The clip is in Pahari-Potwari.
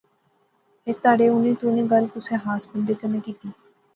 ہیک تہاڑے اُنی تہوں نی گل کُسے خاص بندے کنے کیتی